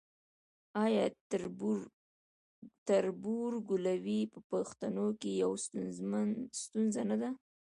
آیا تربورګلوي په پښتنو کې یوه ستونزه نه ده؟